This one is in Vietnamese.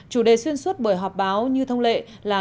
chủ đề xuyên suốt buổi họp báo như thông lệ là